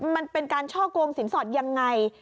มันเป็นการช่อกงสินสอดยังไง